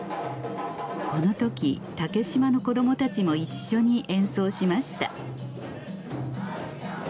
この時竹島の子供たちも一緒に演奏しました